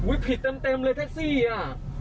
ผิดเต็มเลยแท็กซี่อ่ะ